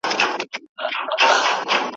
له هر ماښامه تر سهاره بس همدا کیسه وه